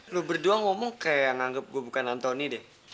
lo berdua ngomong kayak nganggep gue bukan antoni deh